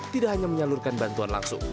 tidak hanya menyalurkan bantuan langsung